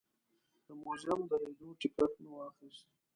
د موزیم د لیدو ټکټ مې واخیست.